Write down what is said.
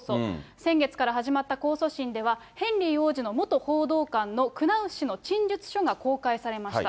先月から始まった控訴審では、ヘンリー王子の元報道官のクナウフ氏の陳述書が公開されました。